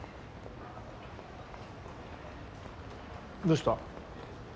どうした？